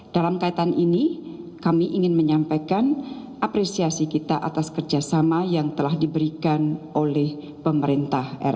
dalam kaitan ini kami ingin menyampaikan apresiasi kita atas kerjasama yang telah diberikan oleh pemerintah